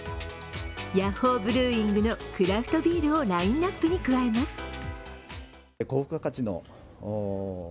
ヤッホーブルーイングのクラフトビールをラインナップに加えます。